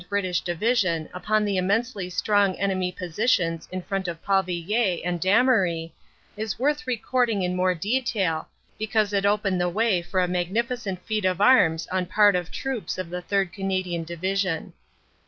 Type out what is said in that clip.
British Division upon the immensely strong enemy positions in front of Parvillers and Damery is worth recording in more detail, because it opened the way for a magnificent feat of arms on part of troops of the 3rd. Canadian Division.